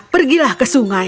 pergilah ke sungai